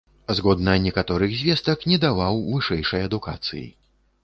Згодна некаторых звестак, не даваў вышэйшай адукацыі.